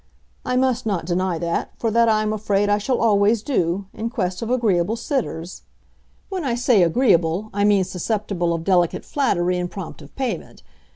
I must not deny that, for that I am afraid I shall always do—in quest of agreeable sitters. When I say agreeable, I mean susceptible of delicate flattery and prompt of payment.